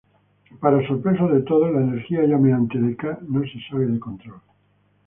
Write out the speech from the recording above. Para sorpresa de todos, la energía llameante de K' no se sale de control.